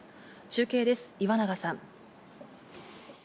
中継です、岩永さん。